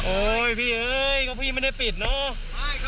โอเคโอเคนี่ผมปิดใช่ไหม